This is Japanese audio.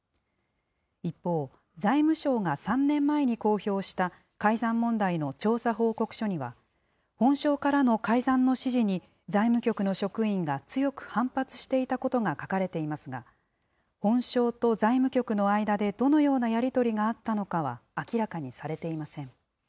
一方、財務省が３年前に公表した改ざん問題の調査報告書には、本省からの改ざんの指示に財務局の職員が強く反発していたことが書かれていますが、本省と財務局の間でどのようなやり取りがあったのかは、明らかにされていません。